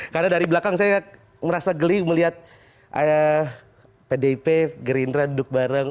karena dari belakang saya merasa geli melihat pdip gerindra duduk bareng